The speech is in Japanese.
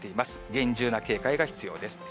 厳重な警戒が必要です。